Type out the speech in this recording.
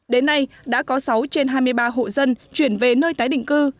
đến nay đã có sáu trên hai mươi ba hộ dân chuyển về nơi tái định cư